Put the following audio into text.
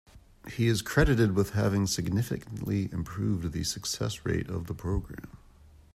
He is credited with having significantly improved the success rate of the program.